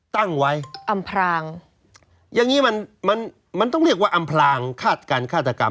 ตั้งไว้อำพรางอย่างงี้มันมันต้องเรียกว่าอำพลางคาดการฆาตกรรม